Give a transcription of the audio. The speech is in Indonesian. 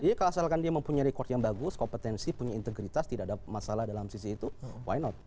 dia kalau asalkan dia mempunyai record yang bagus kompetensi punya integritas tidak ada masalah dalam sisi itu why not